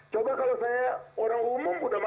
coba kalau saya orang umum sudah masuk ui sudah lama